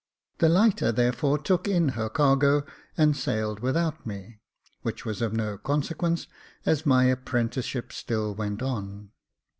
The lighter therefore took in her cargo, and sailed without me, which was of no consequence, as my apprenticeship still went on.